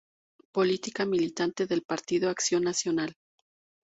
Política, militante del Partido Acción Nacional.